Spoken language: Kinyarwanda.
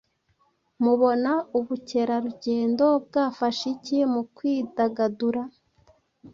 mubona ubukerarugendo bwafasha iki mu kwidagadura?